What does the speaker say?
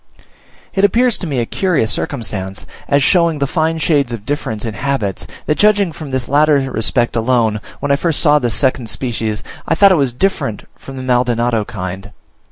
It appears to me a curious circumstance, as showing the fine shades of difference in habits, that judging from this latter respect alone, when I first saw this second species, I thought it was different from the Maldonado kind.